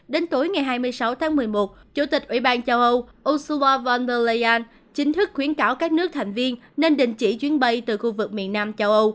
đến tối ngày hai mươi sáu tháng một mươi một chủ tịch ủy ban châu âu oso vonder leyan chính thức khuyến cáo các nước thành viên nên đình chỉ chuyến bay từ khu vực miền nam châu âu